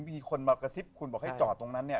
มีคนมากระซิบคุณบอกให้จอดตรงนั้นเนี่ย